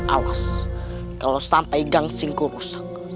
awas kalau sampai gansingku rusak